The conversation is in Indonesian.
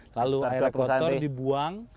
lalu air kotor dibuang